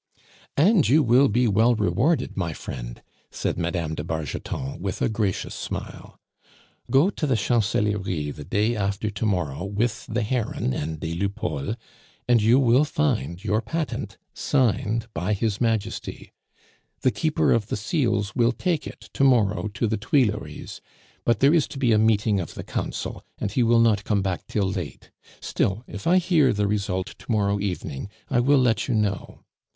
"And you will be well rewarded, my friend," said Mme. de Bargeton, with a gracious smile. "Go to the Chancellerie the day after to morrow with 'the Heron' and des Lupeaulx, and you will find your patent signed by His Majesty. The Keeper of the Seals will take it to morrow to the Tuileries, but there is to be a meeting of the Council, and he will not come back till late. Still, if I hear the result to morrow evening, I will let you know.